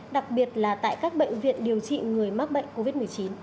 đặc biệt là tại các bệnh viện điều trị người mắc bệnh covid một mươi chín